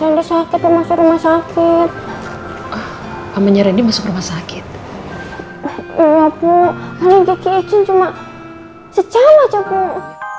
rendy sakit rumah sakit sakit namanya rendy masuk rumah sakit iya bukannya kecin cuma secara cepet